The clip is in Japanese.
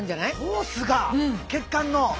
ホースが血管の。